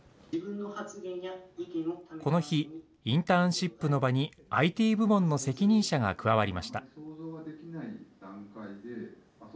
この日、インターンシップの場にＩＴ部門の責任者が加わりました。